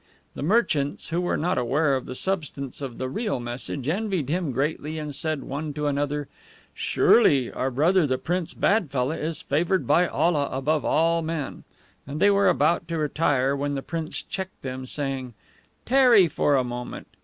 The merchants, who were not aware of the substance of the real message, envied him greatly, and said one to another: "Surely our brother the Prince BADFELLAH is favored by Allah above all men;" and they were about to retire, when the prince checked them, saying: "Tarry for a moment.